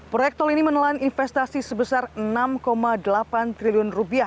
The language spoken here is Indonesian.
proyek tol ini menelan investasi sebesar rp enam delapan triliun